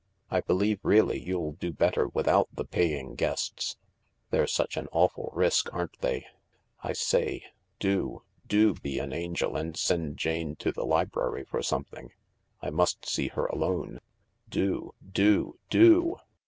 I believe really you'll do better without the paying guests— they're such an awful risk, aren't they ? I say— do, do be an angel and send Jane to the library for something. I must see her alone. Do, do f do